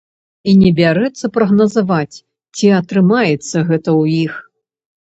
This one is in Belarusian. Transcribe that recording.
І не бярэцца прагназаваць, ці атрымаецца гэта ў іх.